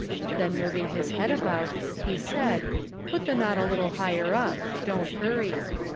Then moving his head about, he said "Put the knot a little higher up, don't hurry."